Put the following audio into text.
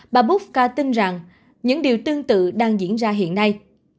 bà boska tin rằng những điều tương tự đang diễn ra hiện nay